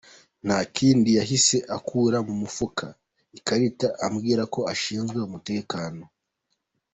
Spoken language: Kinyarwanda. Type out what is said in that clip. Nta kindi yahise akura mu mufuka ikarita ambwira ko ashinzwe umutekano.